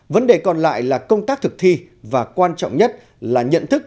vấn đề còn lại là công tác thực thi và quan trọng nhất là nhận thức